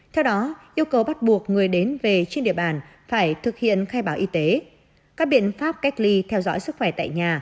theo đó yêu cầu bắt buộc người đến về trên địa bàn phải thực hiện khai báo y tế các biện pháp cách ly theo dõi sức khỏe tại nhà